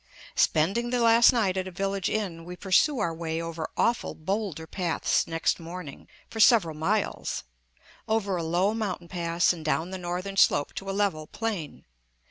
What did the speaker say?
Spending the last night at a village inn, we pursue our way over awful bowlder paths next morning, for several miles; over a low mountain pass and down the northern slope to a level plain.